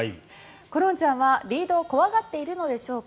コロンちゃんはリードを怖がっているのでしょうか。